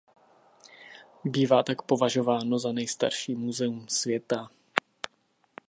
Bývá tak považováno za nejstarší muzeum světa.